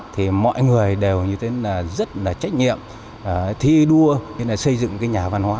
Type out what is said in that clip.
thì mọi người đều rất trách nhiệm thi đua xây dựng nhà văn hóa